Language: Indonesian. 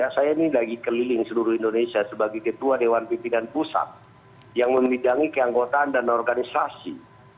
saya ini lagi keliling seluruh indonesia sebagai ketua dewan pimpinan pusat yang membidangi keanggotaan dan organisasi